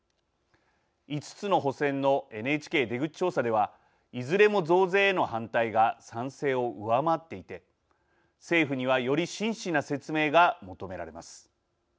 ５つの補選のＮＨＫ出口調査ではいずれも増税への反対が賛成を上回っていて政府にはより真摯な説明が求められます。